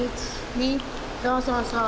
そうそうそう。